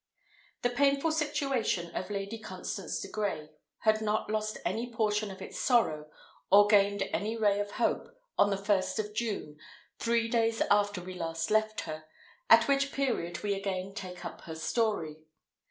The painful situation of Lady Constance de Grey had not lost any portion of its sorrow, or gained any ray of hope, on the first of June, three days after we last left her, at which period we again take up her story.